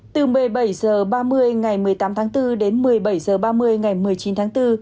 từ một mươi bảy h ba mươi ngày một mươi tám tháng bốn đến một mươi bảy h ba mươi ngày một mươi chín tháng bốn